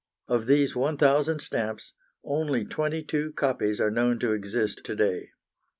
Of those 1,000 stamps only twenty two copies are known to exist to day.